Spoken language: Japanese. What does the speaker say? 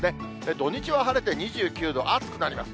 土日は晴れて２９度、暑くなります。